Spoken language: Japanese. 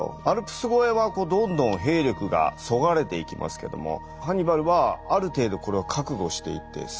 アルプス越えはどんどん兵力がそがれていきますけどもハンニバルはある程度これは覚悟していて？